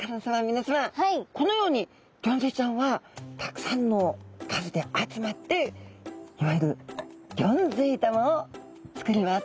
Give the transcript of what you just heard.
皆さまこのようにギョンズイちゃんはたくさんの数で集まっていわゆるギョンズイ玉を作ります。